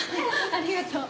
ありがとう。